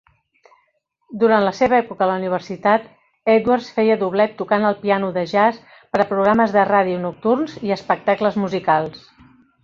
Durant la seva època a la universitat, Edwards feia doblet tocant el piano de jazz per a programes de ràdio nocturns i espectacles musicals.